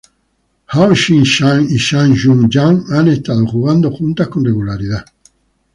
Hao-Ching Chan y Chan Yung-jan han estado jugando juntas con regularidad.